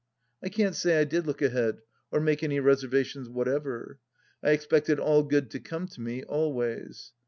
... I can't say I did look ahead, or make any reservations whatever. I expected all good to come to me — always.